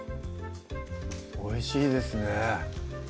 おいしいですね